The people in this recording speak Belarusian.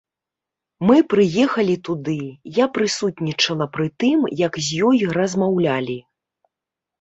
Мы прыехалі туды, я прысутнічала пры тым, як з ёй размаўлялі.